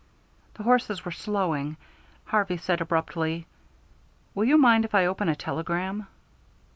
The horses were slowing. Harvey said abruptly, "Will you mind if I open a telegram?"